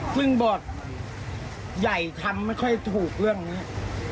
ซึ่งบอร์ดใหญ่ทำไม่ค่อยถูกเรื่องนี้